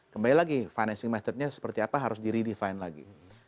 kembali lagi financing message nya seperti apa harus di redefine lagi